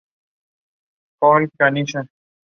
Y por tanto se trata de un grupo de Lie unidimensional.